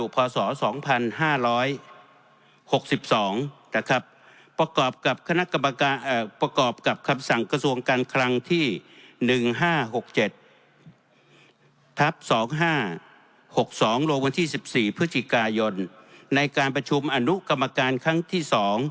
ประกอบกับคำสั่งกระทรวงการครั้งที่๑๕๖๗ทัพ๒๕๖๒โลกวันที่๑๔พยในการประชุมอนุกรรมการครั้งที่๒๕๖๔